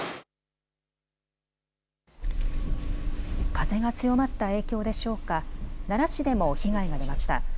風が強まった影響でしょうか、奈良市でも被害が出ました。